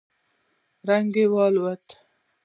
رنگ يې والوت.